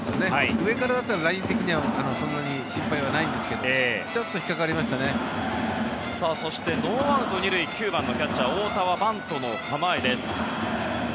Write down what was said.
上からだったらライン的にはそんなに心配はないんですがそしてノーアウト２塁９番のキャッチャー、太田はバントの構えです。